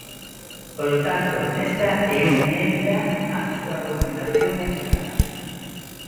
Polo tanto, nesta emenda a súa argumentación é clara.